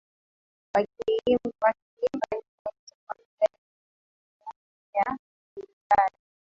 Wakiziimba nyimbo hizo kwa lugha ile ile lugha ya kilingala